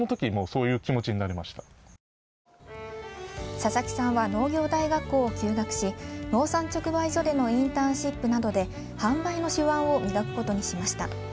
佐々木さんは農業大学校を休学し農産直売所でのインターンシップなどで販売の手腕を磨くことにしました。